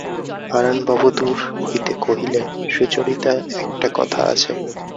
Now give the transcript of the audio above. হারানবাবু দূর হইতে কহিলেন, সুচরিতা, একটা কথা আছে।